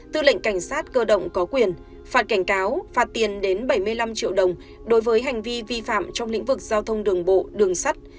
tư lệnh cảnh sát cơ động có quyền phạt cảnh cáo phạt tiền đến bảy mươi năm triệu đồng đối với hành vi vi phạm trong lĩnh vực giao thông đường bộ đường sắt